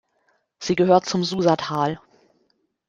Sie gehört zum Susatal.